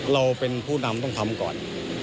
เราเป็นผู้นำต้องทำก่อน